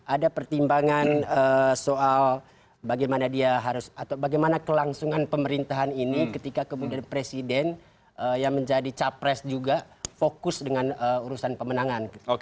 ada pertimbangan soal bagaimana dia harus atau bagaimana kelangsungan pemerintahan ini ketika kemudian presiden yang menjadi capres juga fokus dengan urusan pemenangan